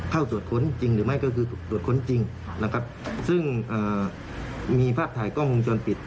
กรุ่นไป